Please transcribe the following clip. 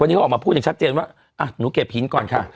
วันนี้เขาออกมาพูดอย่างชัดเจนว่าอ่ะหนูเก็บหินก่อนค่ะ